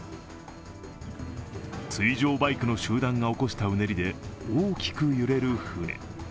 水上バイクの集団が起こしたうねりで大きく揺れる船。